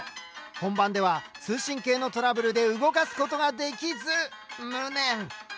本番では通信系のトラブルで動かすことができず無念。